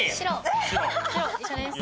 白一緒です。